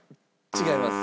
違います。